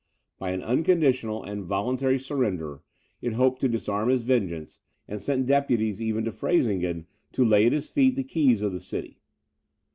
By an unconditional and voluntary surrender, it hoped to disarm his vengeance; and sent deputies even to Freysingen to lay at his feet the keys of the city.